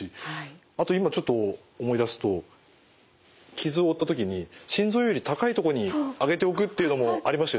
あと今ちょっと思い出すと傷を負った時に心臓より高い所に上げておくというのもありましたよね。